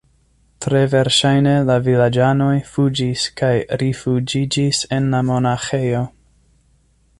Tre verŝajne la vilaĝanoj fuĝis kaj rifuĝiĝis en la monaĥejo.